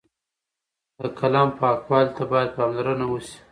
د قلم پاکوالۍ ته باید پاملرنه وشي.